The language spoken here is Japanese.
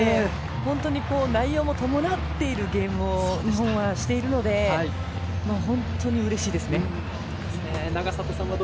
本当に、内容も伴っているゲームを日本はしているので本当にうれしいですね。